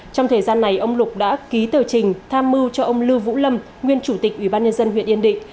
trong thời gian này ông lục đã ký tờ trình tham mưu cho ông lưu vũ lâm nguyên chủ tịch ủy ban nhân dân huyện yên định